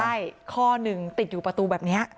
ใช่ข้อหนึ่งติดอยู่ประตูแบบนี้